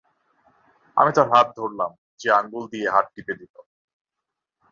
আমি তার হাত ধরলাম, যে আঙুল দিয়ে হাত টিপে দিলো।